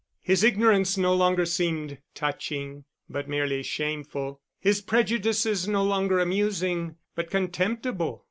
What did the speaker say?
His ignorance no longer seemed touching, but merely shameful; his prejudices no longer amusing but contemptible.